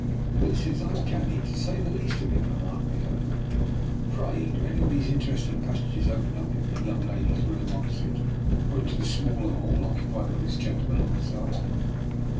" This is uncanny, to say the least of it," remarked Nikola. Pray do any of these interesting pas sages open into the young lady's room oppo site, or into the smaller hall occupied by this gentleman and myself?